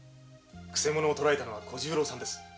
くせ者を捕らえたのは小十郎さんです。